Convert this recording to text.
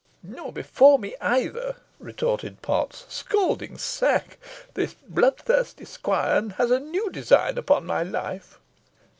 "Nor before me either," retorted Potts, "Scalding sack! This bloodthirsty squire has a new design upon my life!"